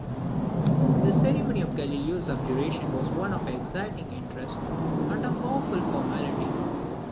The ceremony of Galileo's abjuration was one of exciting interest, and of awful formality.